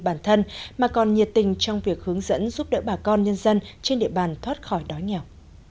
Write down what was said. bản thân mà còn nhiệt tình trong việc hướng dẫn giúp đỡ bà con nhân dân trên địa bàn thoát khỏi đói nghèo